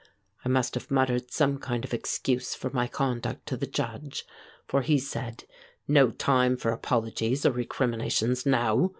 I must have muttered some kind of excuse for my conduct to the Judge, for he said: "No time for apologies or recriminations now.